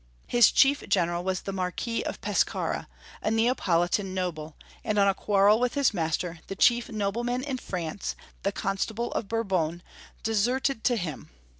His chief general was the Marquis of Pescara, a Neapolitan noble, and on a quarrel with his master, the chief noble man in France, the Constable of Boui bon deserted 278 Young Folki^ History of Q ermany. to him.